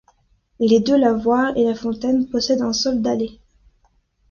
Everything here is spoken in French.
Les deux lavoirs et la fontaine possèdent un sol dallé.